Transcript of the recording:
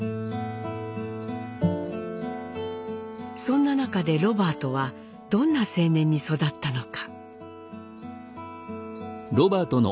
そんな中でロバートはどんな青年に育ったのか。